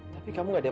kasihan ini dia